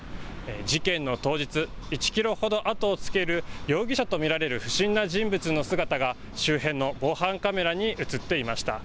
事件の当日、１キロほど後をつける容疑者と見られる不審な人物の姿が周辺の防犯カメラに写っていました。